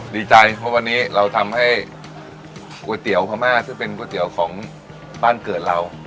ดีใจเพราะวันนี้เราทำให้ก๋วยเตี๋ยวพม่าซึ่งเป็นก๋วยเตี๋ยวของบ้านเกิดเรา